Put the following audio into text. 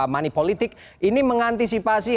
mani politik ini mengantisipasi